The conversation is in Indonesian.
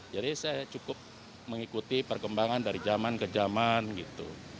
jadi saya cukup mengikuti perkembangan dari zaman ke zaman gitu